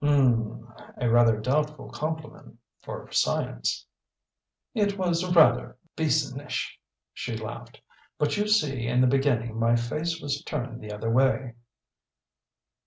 "Um a rather doubtful compliment for science." "It was rather Beasonish," she laughed. "But you see in the beginning my face was turned the other way."